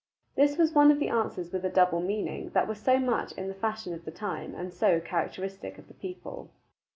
This was one of the answers with a double meaning that were so much in the fashion of the time and so characteristic of the people.